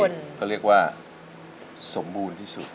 ที่เขาเรียกว่าสมบูรณ์ที่สุด